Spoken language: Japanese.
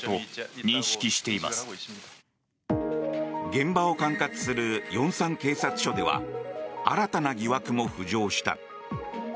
現場を管轄する龍山警察署では新たな疑惑も浮上した。